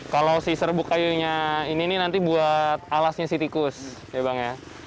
kalau si serbuk kayunya ini nanti buat alasnya si tikus ya bang ya